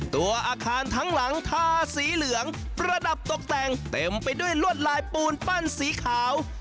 ตัวอาคารทั้งหลังทาสีเหลืองประดับตกแต่งเต็มไปด้วยลวดลายปูนปั้นสีขาว